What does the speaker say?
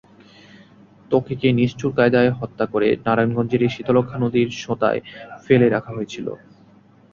ত্বকীকে নিষ্ঠুর কায়দায় হত্যা করে নারায়ণগঞ্জেরই শীতলক্ষ্যা নদীর সোঁতায় ফেলে রাখা হয়েছিল।